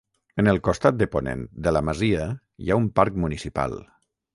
En el costat de ponent de la masia hi ha un Parc Municipal.